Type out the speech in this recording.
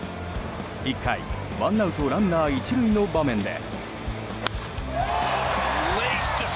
１回、ワンアウトランナー１塁の場面で。